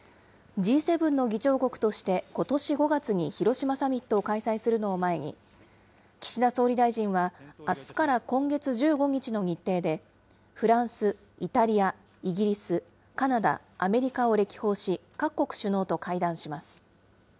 Ｇ７の議長国としてことし５月に広島サミットを開催するのを前に、岸田総理大臣は、あすから今月１５日の日程で、フランス、イタリア、イギリス、カナダ、アメリカを歴訪し、各国首脳と会談します。